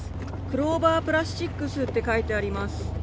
クローバープラスチックスって書いてあります。